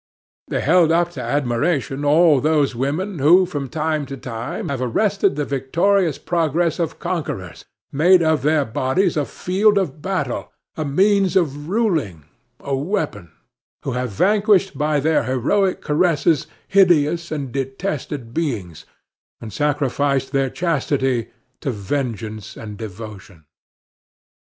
They held up to admiration all those women who from time to time have arrested the victorious progress of conquerors, made of their bodies a field of battle, a means of ruling, a weapon; who have vanquished by their heroic caresses hideous or detested beings, and sacrificed their chastity to vengeance and devotion.